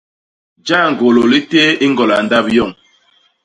Jañgôlô li téé i ñgola ndap yoñ.